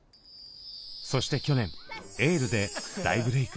そして去年「エール」で大ブレーク。